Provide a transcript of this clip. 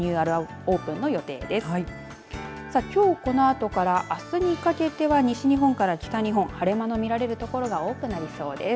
さあ、きょうこのあとからあすにかけては西日本から北日本、晴れ間の見られる所が多くなりそうです。